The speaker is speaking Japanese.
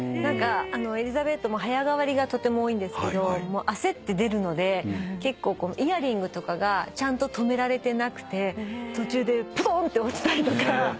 エリザベートも早変わりがとても多いんですけど焦って出るので結構イヤリングとかがちゃんと留められてなくて途中でポトンって落ちたりとか。